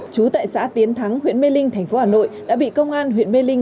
chú tại xã tiến thắng huyện mê linh thành phố hà nội đã bị công an huyện mê linh